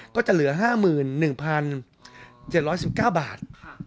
ก็จะเหลือ๕๑๗๑๙บาท